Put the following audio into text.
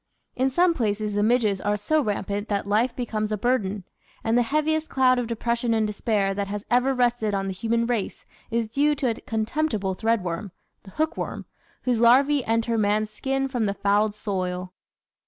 In some places the midges are so rampant that life becomes a burden, and the heaviest cloud of depression and despair that has ever rested on the human race is due to a contemptible threadworm the Hookworm whose larva? enter man's skin from the fouled soil.